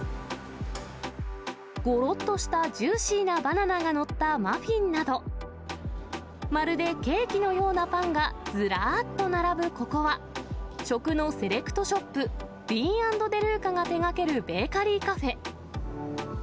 ごろっとしたジューシーなバナナが載ったマフィンなど、まるでケーキのようなパンがずらーっと並ぶここは、食のセレクトショップ、ディーン＆デルーカが手がけるベーカリーカフェ。